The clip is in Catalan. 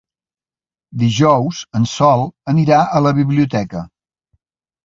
Dijous en Sol anirà a la biblioteca.